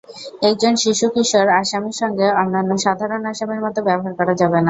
একজন শিশু-কিশোর আসামির সঙ্গে অন্যান্য সাধারণ আসামির মতো ব্যবহার করা যাবে না।